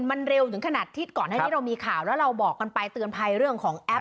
มันเร็วถึงขนาดที่ก่อนหน้านี้เรามีข่าวแล้วเราบอกกันไปเตือนภัยเรื่องของแอป